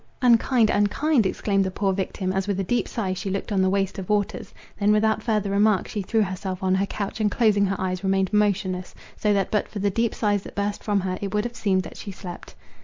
"Unkind! unkind!" exclaimed the poor victim, as with a deep sigh she looked on the waste of waters. Then without further remark, she threw herself on her couch, and closing her eyes remained motionless; so that but for the deep sighs that burst from her, it would have seemed that she slept.